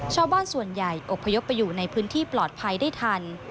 ชาวบ้านส่วนใหญ่อบพยพไปอยู่ในพื้นที่ปลอดภัยได้ทัน